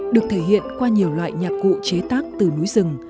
được thể hiện qua nhiều loại nhạc cụ chế tác từ núi rừng